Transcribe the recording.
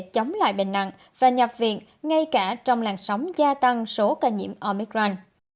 chống lại bệnh nặng và nhập viện ngay cả trong làn sóng gia tăng số ca nhiễm omicran